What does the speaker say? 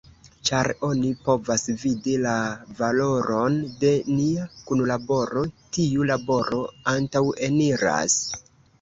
Ĉar oni povas vidi la valoron de nia kunlaboro, tiu laboro antaŭeniras.